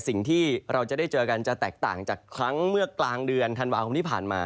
สิ่งที่เราจะได้เจอกันจะแตกต่างจากครั้งเมื่อกลางเดือนธันวาคมที่ผ่านมา